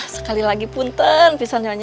sekali lagi punten